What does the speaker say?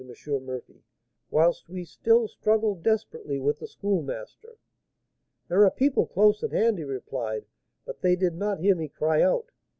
Murphy, whilst we still struggled desperately with the Schoolmaster. 'There are people close at hand,' he replied; 'but they did not hear me cry out.'